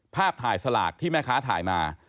ภาพถ่ายสลากที่แม่ค้าถ่ายมา